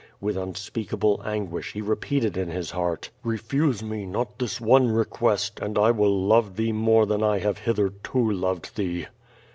With unspeakable anguish he repeated in his heart: Refuse me not this one request, and I will love Thee more than I have hitherto loved Thee.